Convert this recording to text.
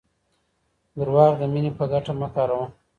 دروغ د مینې په ګټه مه کاروه.